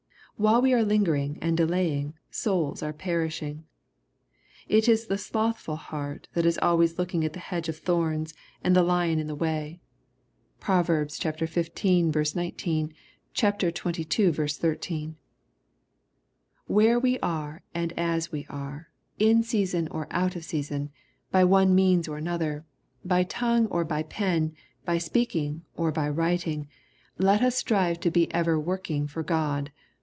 While we are lingering and delaying souls are perishing. It is the slothful heart that is always looking at the hedge of thorns and the lion in 182 EXrOSITOBY THOnOHTS. the way. (Prov. xv. 19 ; xxii. 13.) Where we are and as we are^ in season or out of season^ by one means or by another, by tongue or by pen, by speaking or by writing, let us strive to be ever working for God.